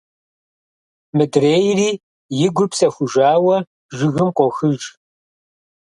Мыдрейри, и гур псэхужауэ, жыгым къохыж…